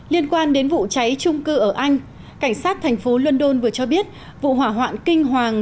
liên quan đến vụ cháy trung cư ở anh cảnh sát thành phố london vừa cho biết vụ hỏa hoạn kinh hoàng